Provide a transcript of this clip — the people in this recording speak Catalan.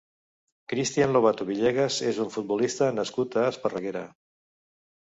Cristian Lobato Villegas és un futbolista nascut a Esparreguera.